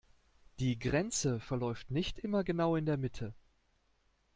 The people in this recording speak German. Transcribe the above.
Die Grenze verläuft nicht immer genau in der Mitte.